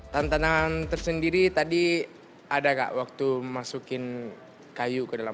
tantangan tersendiri tadi ada kak waktu masukin kayu ke dalam